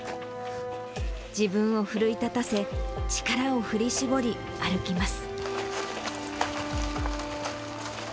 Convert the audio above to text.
自分を奮い立たせ、力を振り絞り歩きます。